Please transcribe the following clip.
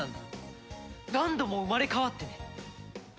何度も生まれ変わってね。